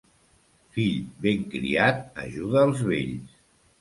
Fill ben criat ajuda els vells.